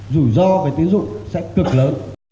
rủi ro về tín dụng sẽ cực lớn